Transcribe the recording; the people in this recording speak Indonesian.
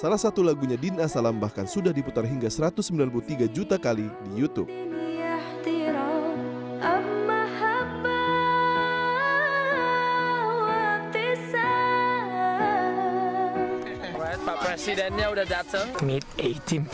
salah satu lagunya din asalam bahkan sudah diputar hingga satu ratus sembilan puluh tiga juta kali di youtube